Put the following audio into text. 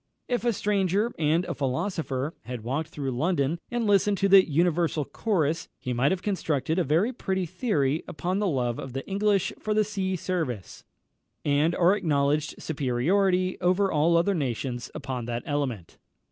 If a stranger (and a philosopher) had walked through London, and listened to the universal chorus, he might have constructed a very pretty theory upon the love of the English for the sea service, and our acknowledged superiority over all other nations upon that element.